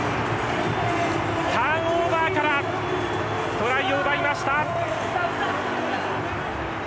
ターンオーバーからトライを奪いました。